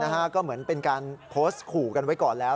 ก็เหมือนเป็นการโพสต์ขู่กันไว้ก่อนแล้ว